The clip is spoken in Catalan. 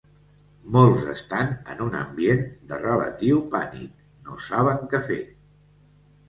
Molts estan en un ambient de relatiu pànic, no saben què fer.